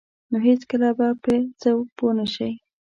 نو هیڅکله به په څه پوه نشئ.